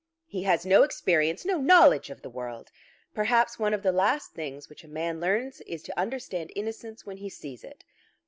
"He has no experience, no knowledge of the world. Perhaps one of the last things which a man learns is to understand innocence when he sees it."